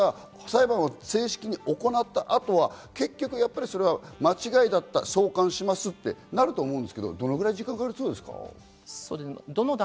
正式に行った後は結局、間違いだった、送還しますってなると思うんですけど、どのぐらい時間がかかりそうですか？